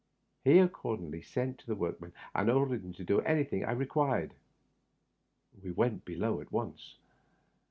He accordingly sent for the workman and ordered him to .do anything I re quired. We went below at once.